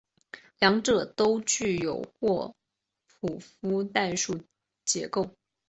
两者都具有霍普夫代数结构。